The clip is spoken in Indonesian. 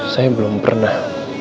saya belum pernah